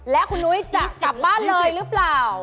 และคุณนุ้ยจะกลับบ้านเลยหรือเปล่า